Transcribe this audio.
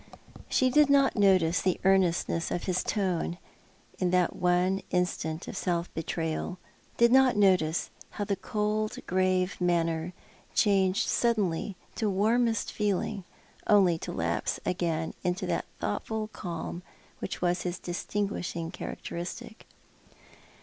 She did not notice the earnestness of his tone in that one instant of self betrayal, did not notice how the cold, grave manner changed suddenly to warmest feeling, only to lapse again into that thoughtful calm which was his distinguishing characteristic.